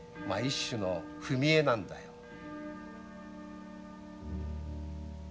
一種の「踏み絵」なんだよ。